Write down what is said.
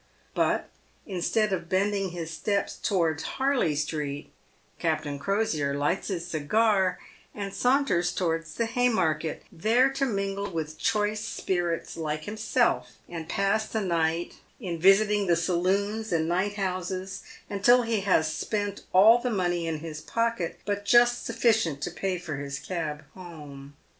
But, instead of bending his steps towards Harley street, Captain Crosier lights his cigar, and saunters towards the Haymarket, there to mingle with choice spirits like himself, and pass the night in visiting the saloons and night houses, until he has spent all the money in his pocket but just sufficient to pay for his cab home.